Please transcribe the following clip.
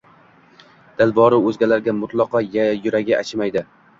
Dili boru o’zgalarga mutlaqo yuragi achimaydi.